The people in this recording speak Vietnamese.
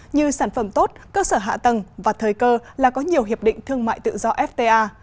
như sản phẩm tốt cơ sở hạ tầng và thời cơ là có nhiều hiệp định thương mại tự do fta